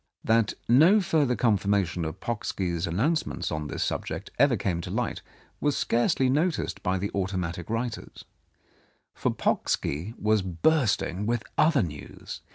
That no further confirmation of Pocksky's announcements on this subject ever came to light was scarcely noticed by the automatic writers, 181 Mrs. Andrews's Control for Pocksky was bursting with other news.